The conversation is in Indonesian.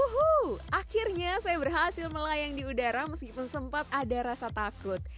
wuhuh akhirnya saya berhasil melayang di udara meskipun sempat ada rasa takut